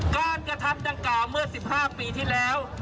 กระทำดังกล่าวเมื่อ๑๕ปีที่แล้ว